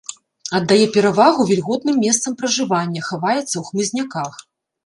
Аддае перавагу вільготным месцам пражывання, хаваецца ў хмызняках.